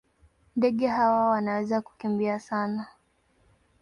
Ndege hawa wanaweza kukimbia sana.